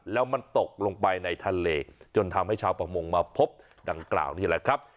แล้วมันตกลงไปในทะเลจนทำให้ชาวประมงมาพบดังกล่าวนี่แหละครับ